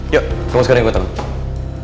yuk kamu sekarang yang gue tangguh